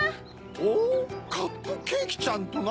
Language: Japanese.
ほぅカップケーキちゃんとな。